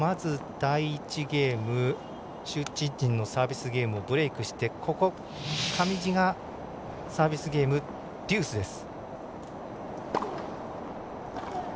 第１ゲーム、朱珍珍のサービスゲームをブレークしてここ、上地がサービスゲームデュースです。